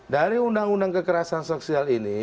dari undang undang kekerasan sosial ini